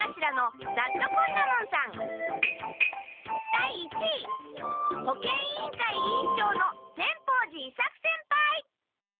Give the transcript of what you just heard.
第一位保健委員会委員長の善法寺伊作先輩！